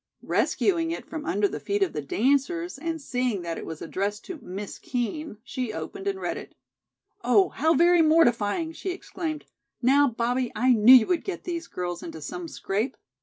Rescuing it from under the feet of the dancers, and seeing that it was addressed to "Miss Kean," she opened and read it. "Oh, how very mortifying," she exclaimed. "Now, Bobbie, I knew you would get these girls into some scrape.